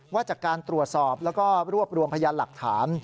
ว่าจากการตรวจสอบแล้วก็รวบรวมพยานหลักฐาน